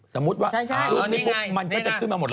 ใช่อ๋อนี่ไงนี่นะสมมุติว่ารูปนี้มันก็จะขึ้นมาหมดเลย